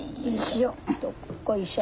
よいしょ。